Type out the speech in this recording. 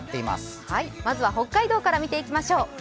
まずは北海道から見ていきましょう。